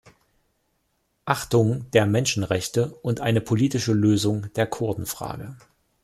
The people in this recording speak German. Achtung der Menschenrechte und eine politische Lösung der Kurdenfrage.